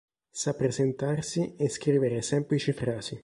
Sa presentarsi e scrivere semplici frasi.